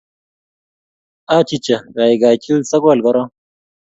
Achicha, gaigai chil sogol koron